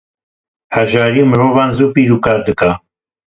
Hejarî mirovan zû pîr û kal dike.